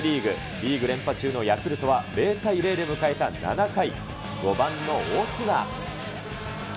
リーグ連覇中のヤクルトは、０対０で迎えた７回、５番のオスナ。